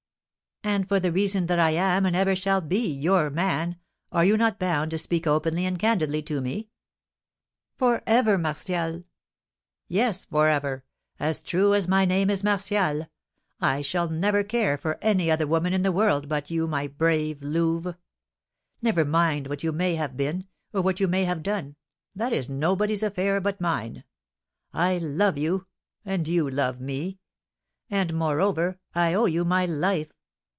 '" "And for the reason that I am and ever shall be 'your man,' are you not bound to speak openly and candidly to me?" "For ever, Martial?" "Yes, for ever; as true as my name is Martial. I shall never care for any other woman in the world but you, my brave Louve. Never mind what you may have been, or what you may have done; that is nobody's affair but mine. I love you, and you love me; and, moreover, I owe you my life.